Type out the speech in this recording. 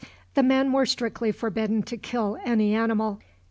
The men were strictly forbidden to kill any animal.